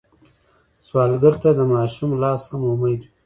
سوالګر ته د ماشوم لاس هم امید وي